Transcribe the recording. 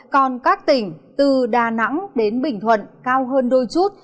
còn các tỉnh từ đà nẵng đến bình thuận cao hơn đôi chút